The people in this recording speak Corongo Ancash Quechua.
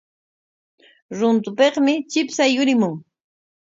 Runtupikmi chipsha yurimun.